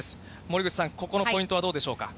森口さん、ここのポイントはどうでしょうか。